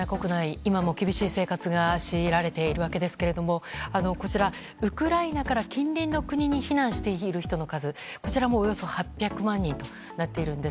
今も厳しい生活が強いられているわけですけれどもこちらウクライナから近隣の国に避難している人の数およそ８００万人となっているんです。